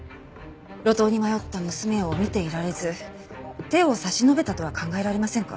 路頭に迷った娘を見ていられず手を差し伸べたとは考えられませんか？